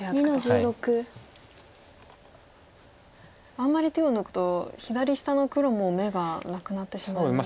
あんまり手を抜くと左下の黒も眼がなくなってしまいますよね。